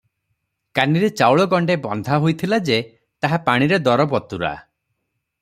କାନିରେ ଚାଉଳ ଗଣ୍ଡେ ବନ୍ଧା ହୋଇଥିଲା ଯେ, ତାହା ପାଣିରେ ଦରବତୁରା ।